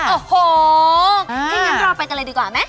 โอ้โหถ้างั้นเราไปกันเลยดีกว่าไหม